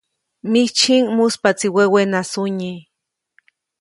Mijtsyjiʼŋ, muspaʼtsi wewena sunyi.